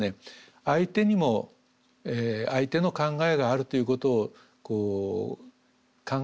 相手にも相手の考えがあるということをこう考えてあげればですね